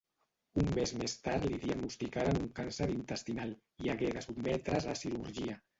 Un mes més tard li diagnosticaren un càncer intestinal i hagué de sotmetre's a cirurgia.